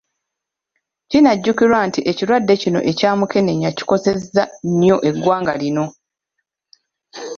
Kinajjukirwa nti ekirwadde kino ekya Mukenenya kikosezza nnyo eggwanga lino.